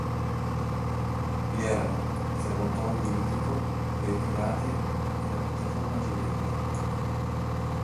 Vi erano: il serbatoio idrico, le ritirate e la piattaforma girevole.